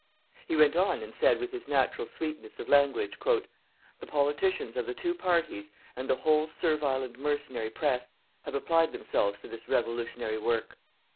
He went on and said with his natural sweetness of language: "_The politicians of the two parties and the whole servile and mercenary press have applied themselves to this revolutionary work....